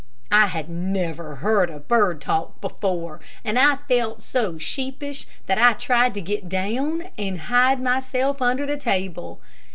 I had never heard a bird talk before, and I felt so sheepish that I tried to get down and hide myself under the table.